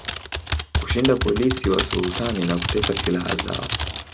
kushinda polisi wa sulutani na kuteka silaha zao